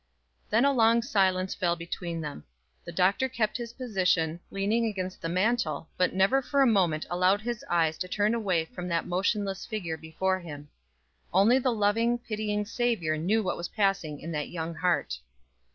Then a long silence fell between them. The Doctor kept his position, leaning against the mantel, but never for a moment allowed his eyes to turn away from that motionless figure before him. Only the loving, pitying Savior knew what was passing in that young heart.